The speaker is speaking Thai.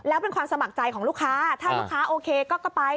แล้วเป็นความสมัครใจของลูกค้าถ้าลูกค้าโอเคก็ไป